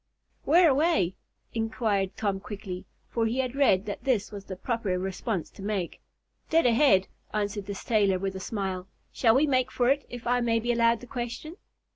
"Where away?" inquired Tom quickly, for he had read that this was the proper response to make. "Dead ahead," answered the sailor with a smile. "Shall we make for it, if I may be allowed the question?"